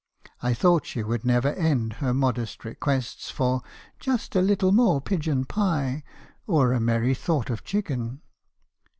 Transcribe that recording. I thought she would never end her modest requests for 'just a little more pigeon pie, or a merry thought of chicken.'